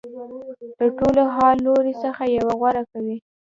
د ټولو حل لارو څخه یوه غوره کوي.